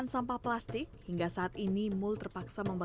sampah plastik kayak gini ya kang ya